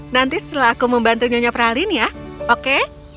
nanti setelah aku membantu nyonya pralin ya oke